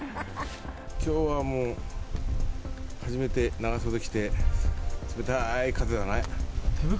きょうはもう初めて長袖着て、冷たーい風だね。